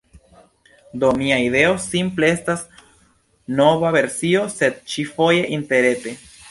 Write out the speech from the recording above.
Do mia ideo simple estas nova versio, sed ĉi-foje interrete.